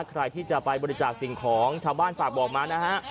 ใครที่จะไปบริจาคสิ่งของชาวบ้านฝากบอกมานะฮะ